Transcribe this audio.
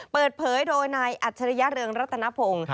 เปิดเผยโดยนายอัจฉริยะเรืองรัตนพงศ์